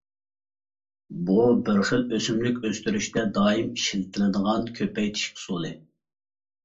بۇ بىر خىل ئۆسۈملۈك ئۆستۈرۈشتە دائىم ئىشلىتىلىدىغان كۆپەيتىش ئۇسۇلى.